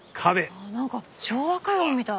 なんか昭和歌謡みたい。